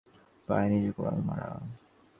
এ তো আর কেক কাটা না, নিজের পায়ে নিজে কুড়াল মারা।